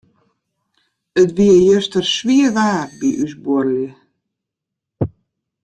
It wie juster swier waar by ús buorlju.